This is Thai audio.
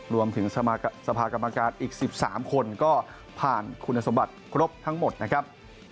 รวมถึงสภากรรมการอีก๑๓คนก็ผ่านคุณสมบัติครบทั้งหมดนะครับ